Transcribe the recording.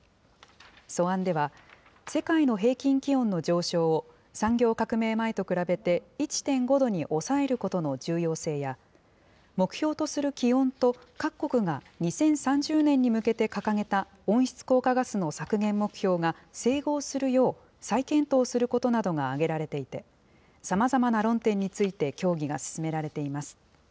素案では、世界の平均気温の上昇を、産業革命前と比べて１．５度に抑えることの重要性や、目標とする気温と、各国が２０３０年に向けて掲げた温室効果ガスの削減目標が整合するよう再検討することなどが挙げられていて、さまざまな論点について協議が進められています。